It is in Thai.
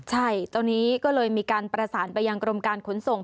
ใช่ตอนนี้ก็เลยมีการประสานไปยังกรมการขนส่ง